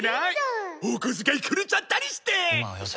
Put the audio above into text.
お小遣いくれちゃったりしてー！